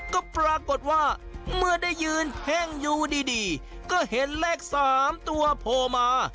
ก็ปรากฏว่าเมื่อได้ยืนเพ่งอยู่ดีก็เห็นเลข๓ตัวโผล่มา